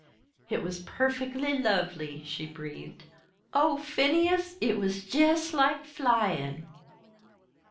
"It was perfectly lovely," she breathed. "Oh, Phineas, it was jest like flyin'!"